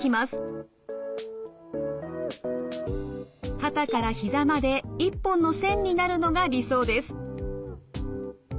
肩からひざまで一本の線になるのが理想です。